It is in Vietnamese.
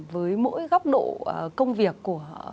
với mỗi góc độ công việc của